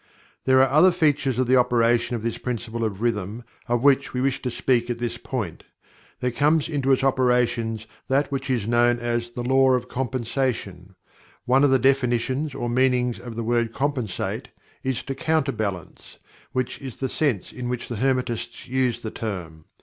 There are other features of the operation of this Principle of Rhythm of which we wish to speak at this point. There comes into its operations that which is known as the Law of Compensation. One of the definitions or meanings of the word "Compensate" is, "to counterbalance" which is the sense in which the Hermetists use the term.